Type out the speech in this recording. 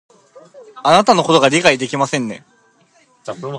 あなたのことを理解ができませんね